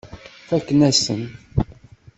Fakken-as-ten.